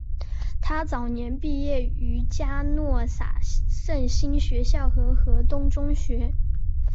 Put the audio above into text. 她早年毕业于嘉诺撒圣心学校和何东中学。